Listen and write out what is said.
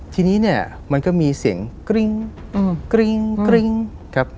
ทีนี้เนี่ยมันก็มีเสียงกริ้งครับ